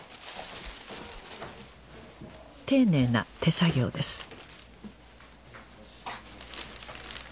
丁寧な手作業です